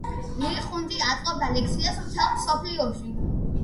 ლი ხუნჯი აწყობდა ლექციებს მთელ მსოფლიოში.